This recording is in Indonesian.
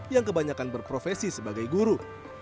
yang kebanyakan berprofesi sebagai guru